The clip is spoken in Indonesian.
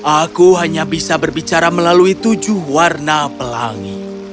aku hanya bisa berbicara melalui tujuh warna pelangi